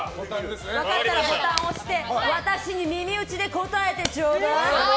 分かったらボタンを押して私に耳打ちで答えてとうだい！